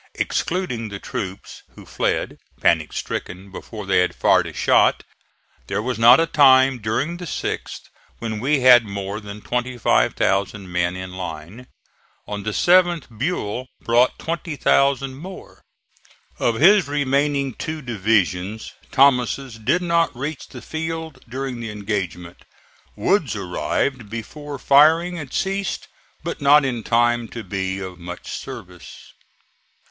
Excluding the troops who fled, panic stricken, before they had fired a shot, there was not a time during the 6th when we had more than 25,000 men in line. On the 7th Buell brought 20,000 more. Of his remaining two divisions, Thomas's did not reach the field during the engagement; Wood's arrived before firing had ceased, but not in time to be of much service.